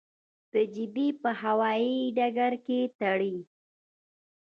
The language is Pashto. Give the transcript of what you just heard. د جدې په هوايي ډګر کې تړي.